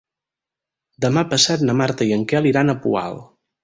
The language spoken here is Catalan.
Demà passat na Marta i en Quel iran al Poal.